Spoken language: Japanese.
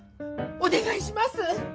お願いします